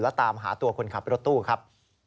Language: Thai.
และตามหาตัวคนขับรถตู้ครับ